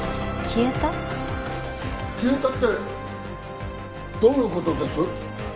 消えたってどういうことです？